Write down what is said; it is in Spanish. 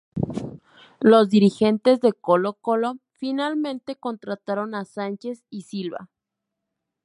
Los dirigentes de Colo-Colo, finalmente, contrataron a Sánchez y Silva.